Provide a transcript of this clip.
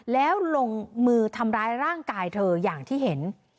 แล้วลงมือทำร้ายร่างกายเธออย่างที่เห็น